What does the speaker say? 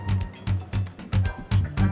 tis kita harus mencar